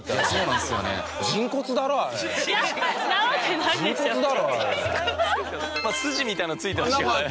まあ筋みたいなの付いてましたけどね。